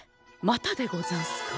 またでござんすか！